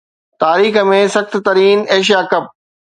تاريخ ۾ سخت ترين ايشيا ڪپ